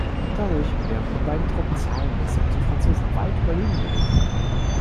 Dadurch wären die beiden Truppen zahlenmäßig den Franzosen weit überlegen gewesen.